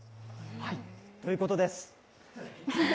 ということです。